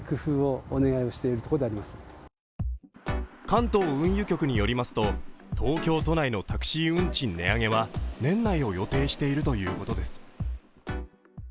関東運輸局によりますと東京都内のタクシー運賃値上げは年内を予定しているということです。